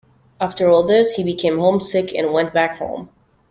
After all this, he became homesick and went back home.